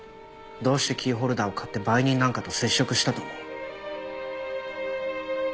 どうしてキーホルダーを買って売人なんかと接触したと思う？